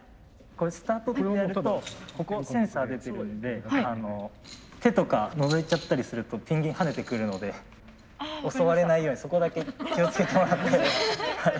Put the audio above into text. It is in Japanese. これスタートここセンサー出てるんで手とかのぞいちゃったりするとペンギン跳ねてくるので襲われないようにそこだけ気をつけてもらって。